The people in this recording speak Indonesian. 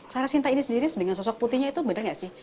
clara sinta ini sendiri dengan sosok putihnya itu benar nggak sih